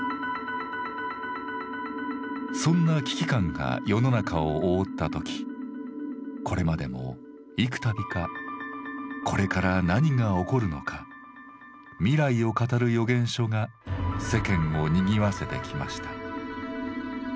そんな危機感が世の中を覆った時これまでも幾たびかこれから何が起こるのか未来を語る予言書が世間をにぎわせてきました。